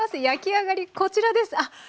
焼き上がりこちらです。